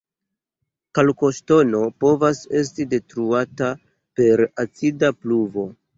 Kalkoŝtono povas esti detruata per acida pluvo.